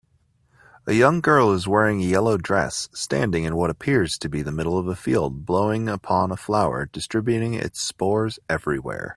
A young girl wearing a yellow dress standing in what appears to be the middle of a field blowing upon a flower distributing its spores everywhere